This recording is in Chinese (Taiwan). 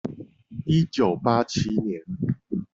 一九八七年